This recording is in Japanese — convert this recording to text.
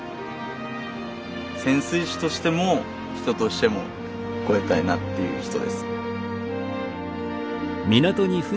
潜水士としても人としても超えたいなっていう人です。